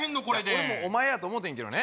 俺もお前やと思うてんけどね。